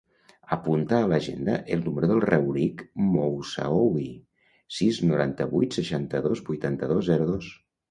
Apunta a l'agenda el número del Rauric Moussaoui: sis, noranta-vuit, seixanta-dos, vuitanta-dos, zero, dos.